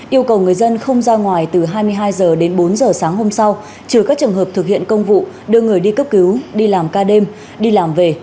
yêu cầu người dân không ra ngoài từ hai mươi hai h đến bốn h sáng hôm sau trừ các trường hợp thực hiện công vụ đưa người đi cấp cứu đi làm ca đêm đi làm về